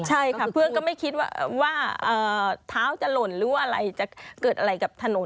ใช่ค่ะเพื่อนก็ไม่คิดว่าเท้าจะหล่นหรือว่าอะไรจะเกิดอะไรกับถนน